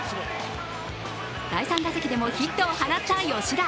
第３打席でもヒットを放った吉田。